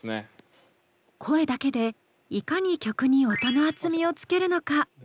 声だけでいかに曲に音の厚みをつけるのか？